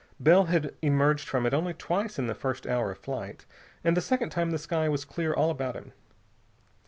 Bell had emerged from it only twice in the first hour of flight, and the second time the sky was clear all about him.